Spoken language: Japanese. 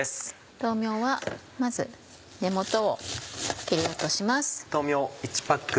豆苗はまず根元を切り落とします。